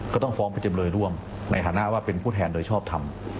ก็ต้องฟ้องไปจำเลยร่วมในฐานะว่าเป็นผู้แทนโดยชอบทำ